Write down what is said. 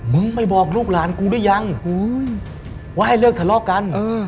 มึงไม่บอกลูกหลานกูหรือยังว่าให้เลิกทะเลาะกัน